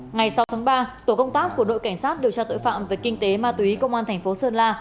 ngày sáu tháng ba tổ công tác của đội cảnh sát điều tra tội phạm về kinh tế ma túy công an thành phố sơn la